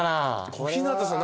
小日向さん